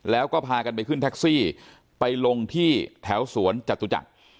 แล้วก็พากันไปขึ้นแท็กซี่ไปลงที่แถวสวนจตุจักร